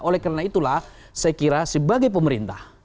oleh karena itulah saya kira sebagai pemerintah